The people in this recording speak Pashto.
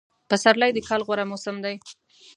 پسرلی دکال غوره موسم دی